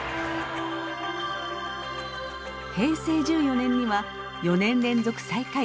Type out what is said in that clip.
平成１４年には４年連続最下位